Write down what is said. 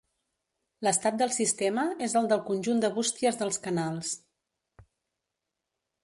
L'estat del sistema és el del conjunt de bústies dels canals.